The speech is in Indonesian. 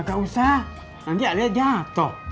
gak usah nanti alia jatuh